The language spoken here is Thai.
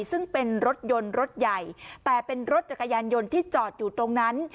ซึ่งเป็นรถยนต์รถใหญ่แต่เป็นรถจักรยานยนต์ที่จอดอยู่ตรงนั้น